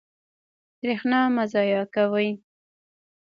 برښنا مه ضایع کوئ